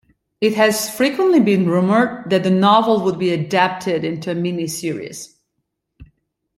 It has frequently been rumoured that the novel would be adapted into a mini-series.